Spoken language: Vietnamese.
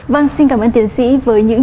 vâng xin cảm ơn tiến sĩ với những